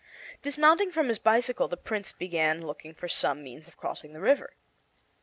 Dismounting from his bicycle the Prince began looking for some means of crossing the river.